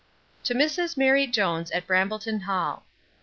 20. To Mrs MARY JONES, at Brambleton hall.